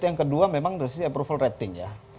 yang kedua memang dari sisi approval rating ya